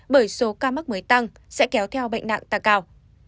bởi số ca mắc mới tăng sẽ kéo theo bệnh nặng tăng cao